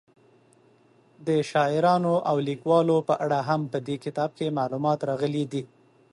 د شاعرانو او لیکوالو په اړه هم په دې کتاب کې معلومات راغلي دي.